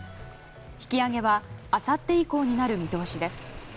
引き揚げはあさって以降になる見通しです。